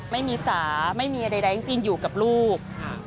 ไม่มีสาไม่มีใดอยู่กับลูก